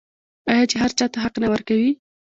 آیا چې هر چا ته حق نه ورکوي؟